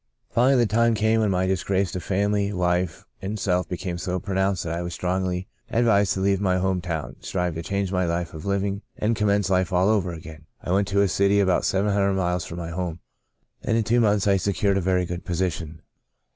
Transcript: "Finally the time came when my disgrace to family, wife and self became so pronounced that I was strongly advised to leave my home town, strive to change my way of liv ing, and commence life all over again. I went to a city about seven hundred miles from my home, and in two months I secured a very good position.